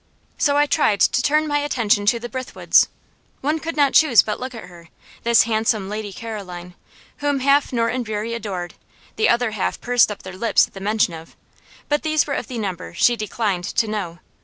So I tried to turn my attention to the Brithwoods. One could not choose but look at her, this handsome Lady Caroline, whom half Norton Bury adored, the other half pursed up their lips at the mention of but these were of the number she declined to "know."